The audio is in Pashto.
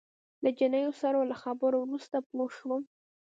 له جینو سره له خبرو وروسته پوه شوم.